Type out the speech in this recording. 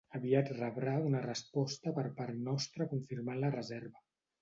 Aviat rebrà una resposta per part nostre confirmant la reserva.